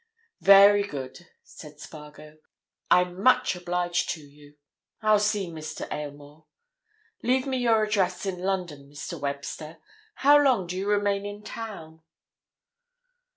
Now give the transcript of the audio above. "Very good," said Spargo. "I'm much obliged to you. I'll see Mr. Aylmore. Leave me your address in London, Mr. Webster. How long do you remain in town?"